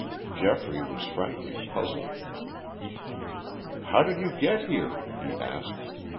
Geoffrey was frankly puzzled. "How did you get here?" he asked.